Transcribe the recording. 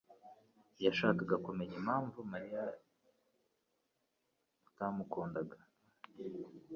yashakaga kumenya impamvu Mariya atamukunda.